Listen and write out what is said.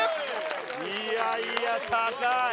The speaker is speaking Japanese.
いやいや高い。